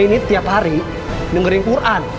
ini tiap hari dengerin quran